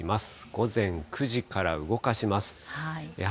午前９時から動かします。